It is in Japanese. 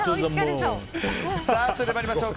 それでは参りましょう！